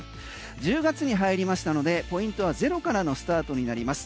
１０月に入りましたのでポイントはゼロからのスタートになります。